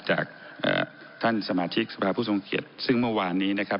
จากท่านสมาชิกสภาพผู้ทรงเกียจซึ่งเมื่อวานนี้นะครับ